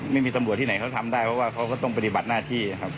ไม่มีตำรวจที่ไหนเขาทำได้เพราะว่าเขาก็ต้องปฏิบัติหน้าที่ครับ